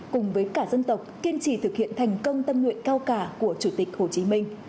cùng với cả dân tộc kiên trì thực hiện thành công tâm nguyện cao cả của chủ tịch hồ chí minh